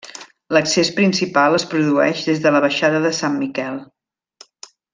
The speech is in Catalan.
L'accés principal es produeix des de la Baixada de Sant Miquel.